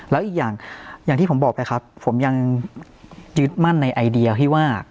แล้วอีกอย่างอย่างที่ผมบอกไปครับผมยังยึดมั่นในไอเดียที่ว่า